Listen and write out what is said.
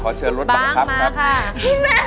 ขอเชิญรถบังคับนะครับ